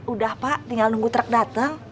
udah pak tinggal nunggu truk datang